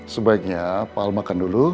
sebaiknya pak al makan dulu